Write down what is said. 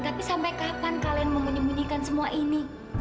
tapi sampai kapan kalian mau menyembunyikan semua ini